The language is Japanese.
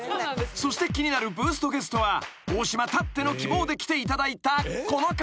［そして気になるブーストゲストは大島たっての希望で来ていただいたこの方］